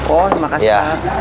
oh terima kasih